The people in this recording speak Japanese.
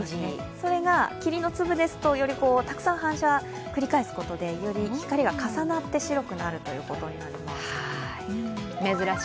それが霧の粒ですと、たくさん反射を繰り返すことでより光が重なって白くなるということになります。